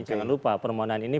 jangan lupa permohonan ini